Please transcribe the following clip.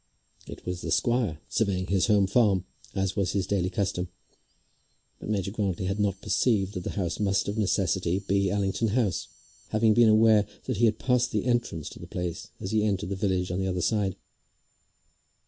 It was the squire surveying his home farm, as was his daily custom; but Major Grantly had not perceived that the house must of necessity be Allington House, having been aware that he had passed the entrance to the place, as he entered the village on the other side.